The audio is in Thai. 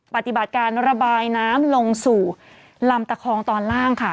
ปฏิบัติการระบายน้ำลงสู่ลำตะคองตอนล่างค่ะ